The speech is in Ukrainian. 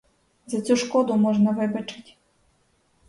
За цю шкоду можна вибачить.